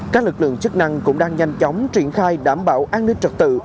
các lực lượng chức năng cũng đang nhanh chóng triển khai đảm bảo an ninh trật tự